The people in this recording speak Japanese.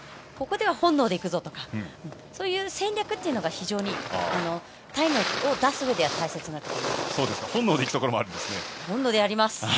ここでは本能でいくぞとかそういう戦略というのが非常にタイムを出すうえでは大切になってきます。